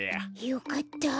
よかった。